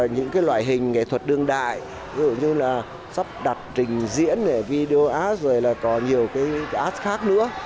những loại hình nghệ thuật đương đại giống như là sắp đặt trình diễn video art rồi là có nhiều art khác nữa